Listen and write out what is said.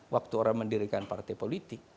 waktu orang mendirikan partai politik